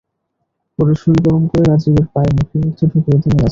পরে সুই গরম করে রাজীবের পায়ের নখের মধ্যে ঢুকিয়ে দেন ইয়াসিন।